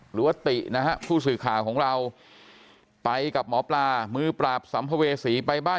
หรือว่าตินะฮะผู้สื่อข่าวของเราไปกับหมอปลามือปราบสัมภเวษีไปบ้าน